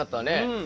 うん。